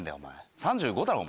３５だろお前！